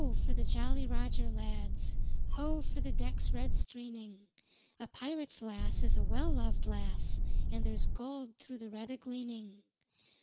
for the Jolly Roger lads; Ho! for the decks red streaming. A pirate's lass is a well lov'd lass, And there's gold through the red a gleaming!